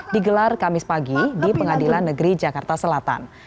digelar kamis pagi di pengadilan negeri jakarta selatan